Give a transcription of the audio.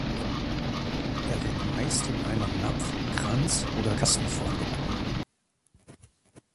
Er wird meist in einer Napf-, Kranz- oder Kastenform gebacken.